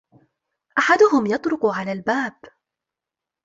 أحدهم يطرق على الباب.